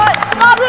eh tukang abel